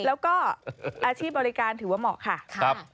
แล้วก็อาชีพบริการถือว่าเหมาะค่ะ